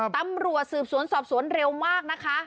ตำรวจสืบสวนสอบสวนเร็วมากนะคะ